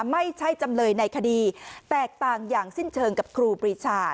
จำเลยในคดีแตกต่างอย่างสิ้นเชิงกับครูปรีชา